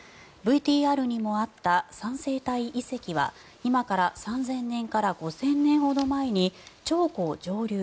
ＶＴＲにもあった三星堆遺跡は今から３０００年から５０００年ほど前に長江上流